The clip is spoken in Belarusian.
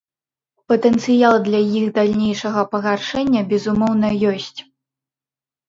Патэнцыял для іх далейшага пагаршэння, безумоўна, ёсць.